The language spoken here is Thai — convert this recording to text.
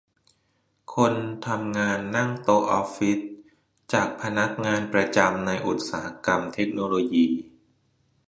คนทำงานนั่งโต๊ะออฟฟิศ จากพนักงานประจำในอุตสาหกรรมเทคโนโลยี